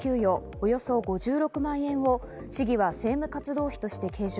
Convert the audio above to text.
およそ５６万円を市議は政務活動費として計上。